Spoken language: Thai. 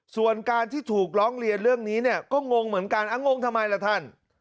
ส่วนการที่ถูกร้องเรียนเรื่องนี้เนี่ยก็งงเหมือนกันงงทำไมล่ะท่าน